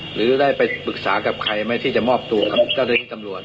หรือได้ไปปรึกษากับใครไหมที่จะมอบตัวกับเจ้าหน้าที่ตำรวจ